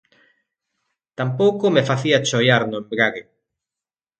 tampouco me facía choiar no embrague.